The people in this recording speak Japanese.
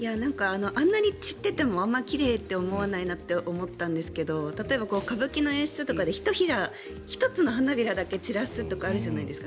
あんなに散っててもあまり奇麗って思わないなと思って例えば歌舞伎の演出とかでひとひら、１つの花びらだけ散らすとかってあるじゃないですか。